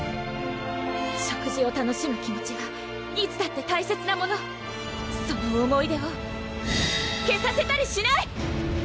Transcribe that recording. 食事を楽しむ気持ちはいつだって大切なものその思い出を消させたりしない！